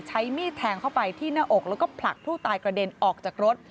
ใช้มีดแทงเข้าไปที่หน้าอกแล้วก็ผลักผู้ตายกระเด็นออกจากรถ